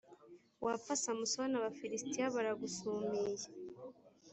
wapfa samusoni abafilisitiya baragusumiye